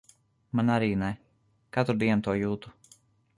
Man arī ne. Katru dienu to jūtu.